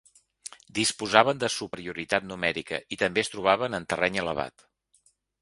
Disposaven de superioritat numèrica i també es trobaven en terreny elevat.